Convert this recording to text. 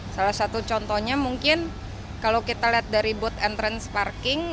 salah satu contohnya mungkin kalau kita lihat dari booth and trans parking